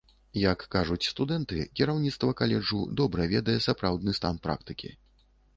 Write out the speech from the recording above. Як кажуць студэнты, кіраўніцтва каледжу добра ведае сапраўдны стан практыкі.